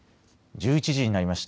１１時になりました。